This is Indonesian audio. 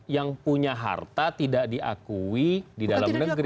yang punya harta tidak diakui di dalam negeri